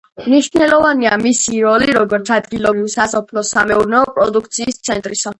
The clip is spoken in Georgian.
მნიშვნელოვანია მისი როლი როგორც ადგილობრივი სასოფლო-სამეურნეო პროდუქციის ცენტრისა.